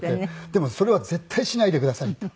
でもそれは絶対しないでくださいと。